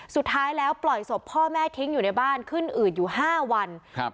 สุดท้ายแล้วปล่อยศพพ่อแม่ทิ้งอยู่ในบ้านขึ้นอืดอยู่ห้าวันครับ